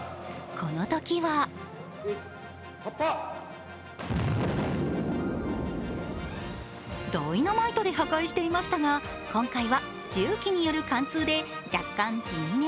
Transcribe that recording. このときはダイナマイトで破壊していましたが、今回は重機による貫通で若干、地味目。